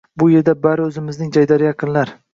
Bu yerda bari o‘zimizning jaydari yaqinlar.